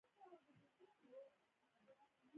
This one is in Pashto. ځوان يې پر اوږه لاس کېښود.